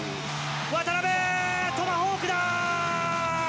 渡邊、トマホークだ！